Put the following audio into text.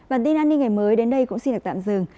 bản tin an ninh ngày mới đến đây cũng xin được tạm dừng